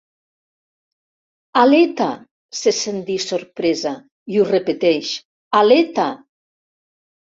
Aleta! —se sent dir, sorpresa, i ho repeteix— Aleta!